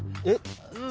えっ？